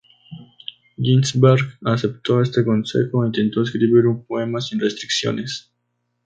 Ginsberg aceptó este consejo e intentó escribir un poema sin restricciones.